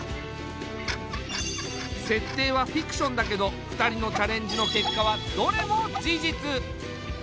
設定はフィクションだけど２人のチャレンジの結果はどれも事実。